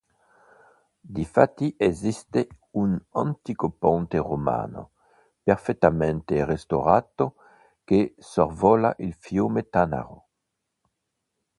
Difatti esiste un antico ponte romano, perfettamente restaurato che sorvola il fiume Tanaro.